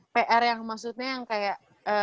pr yang maksudnya yang kayak